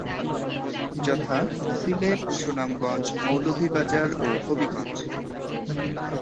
যথা- সিলেট, সুনামগঞ্জ, মৌলভীবাজার ও হবিগঞ্জ।